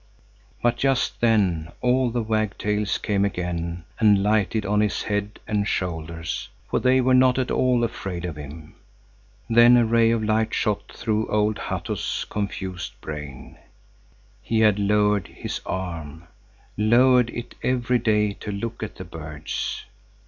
But just then all the wagtails came again and lighted on his head and shoulders, for they were not at all afraid of him. Then a ray of light shot through old Hatto's confused brain. He had lowered his arm, lowered it every day to look at the birds.